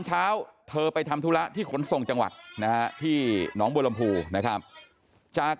เช้าเธอไปทำธุระที่ขนส่งจังหวัดนะฮะที่หนองบัวลำพูนะครับจาก